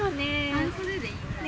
半袖でいいよね。